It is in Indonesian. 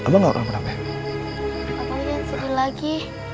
menu agak sedih lagi